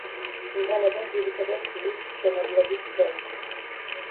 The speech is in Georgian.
იყენებენ ძირითადად გზის მშენებლობის დროს.